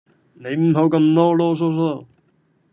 你唔好咁囉囉嗦嗦